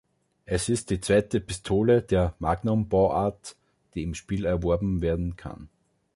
Es ist die zweite Pistole der „Magnum“-Bauart, die im Spiel erworben werden kann.